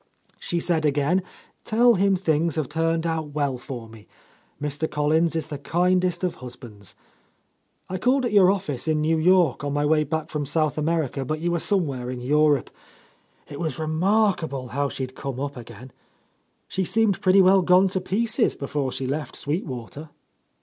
She said again, 'Tell him things have turned out well for me. Mr. Collins is the kindest of husbands.' I called at your office in New York on my way back from South Amer ica, but you were somewhere in Europe. It was remarkable, how she'd come up again. She seemed pretty well gone to pieces before she left Sweet Water."